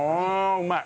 うまい！